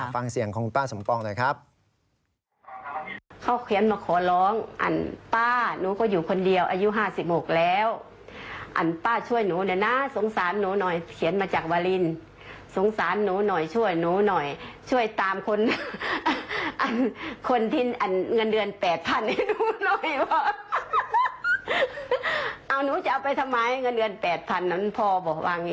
ฟังเสียงของป้าสมปองหน่อยครับ